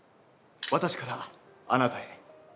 私からあなたへ。